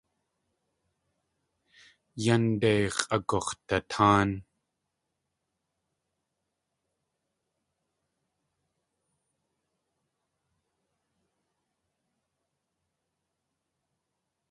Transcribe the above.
Yánde x̲ʼagux̲datáan.